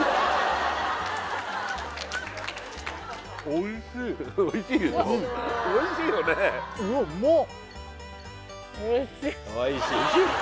おいしいおいしいでしょおいしいよねうわうまっ